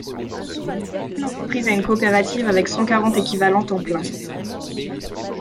J’ai transmis l’entreprise à une coopérative avec cent quarante équivalents temps plein.